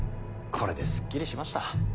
これですっきりしました。